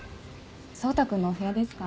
蒼汰君のお部屋ですか？